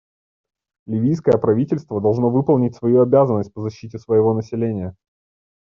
Ливийское правительство должно выполнить свою обязанность по защите своего населения.